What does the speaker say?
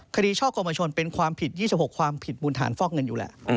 ช่อกรมชนเป็นความผิด๒๖ความผิดมูลฐานฟอกเงินอยู่แหละ